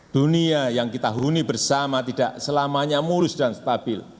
dunia yang kita huni bersama tidak selamanya mulus dan stabil